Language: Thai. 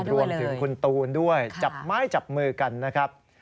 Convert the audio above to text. รวมถึงคุณตูนด้วยจับไม้จับมือกันนะครับ